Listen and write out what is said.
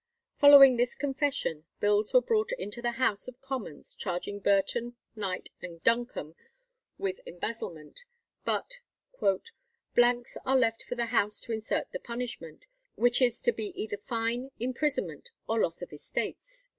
Following this confession, bills were brought into the House of Commons charging Burton, Knight, and Duncombe with embezzlement, but "blanks are left for the House to insert the punishment, which is to be either fine, imprisonment, or loss of estates."